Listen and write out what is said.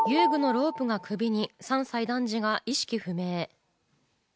遊具のロープが首に、３歳男児が意識不明。